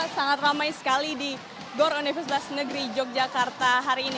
sangat ramai sekali di gor universitas negeri yogyakarta hari ini